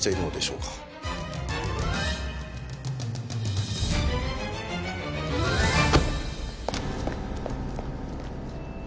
うん。